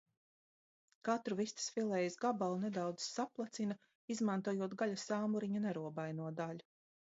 Katru vistas filejas gabalu nedaudz saplacina, izmantojot gaļas āmuriņa nerobaino daļu.